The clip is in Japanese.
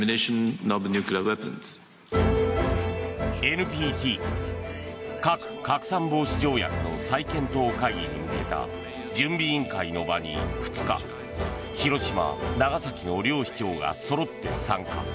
ＮＰＴ・核拡散防止条約の再検討会議に向けた準備委員会の場に、２日広島、長崎の両市長がそろって参加。